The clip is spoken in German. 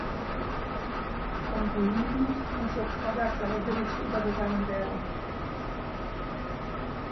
Vom Grünbuch kann zur product liability übergegangen werden.